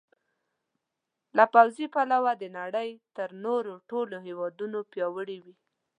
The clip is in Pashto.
له پوځي پلوه د نړۍ تر نورو ټولو هېوادونو پیاوړي وي.